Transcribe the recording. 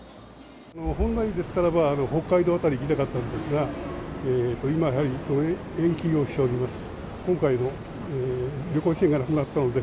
本来でしたらば北海道辺り行きたかったんですが、今、やはり延期をしております。